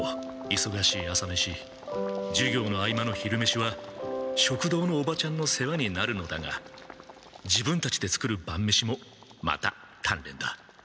いそがしい朝飯授業の合間の昼飯は食堂のおばちゃんの世話になるのだが自分たちで作る晩飯もまた鍛錬だ。